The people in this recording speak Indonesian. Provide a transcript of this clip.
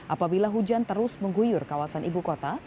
apabila hujan terus mengguyur kawasan ibu kota